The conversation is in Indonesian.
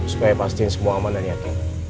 supaya pastiin semua aman dan nyata